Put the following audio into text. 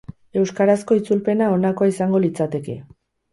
Euskarazko itzulpena honakoa izango litzateke.